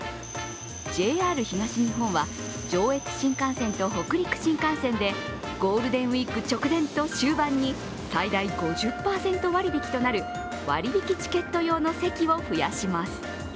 ＪＲ東日本は上越新幹線と北陸新幹線でゴールデンウイーク直前と終盤に最大５０％割引きとなる割引チケット用の席を増やします。